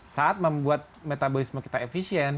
saat membuat metabolisme kita efisien